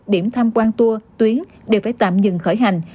điểm tham quan tour tuyến đều phải tạm dừng khởi hành